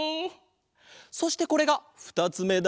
そしてこれがふたつめだ。